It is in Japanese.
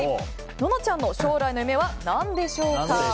ののちゃんの将来の夢は何でしょうか。